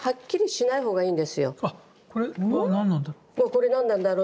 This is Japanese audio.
これ何なんだろう？